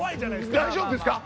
大丈夫ですか？